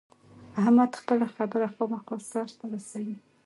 احمد خپله خبره خامخا سر ته رسوي.